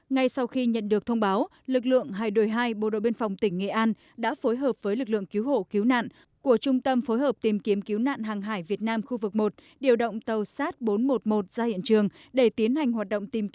ngay sau khi nhận được thông báo lực lượng hải đội hai bộ đội biên phòng tỉnh nghệ an đã phối hợp với lực lượng cứu hộ cứu nạn của trung tâm phối hợp tìm kiếm cứu nạn hàng hải việt nam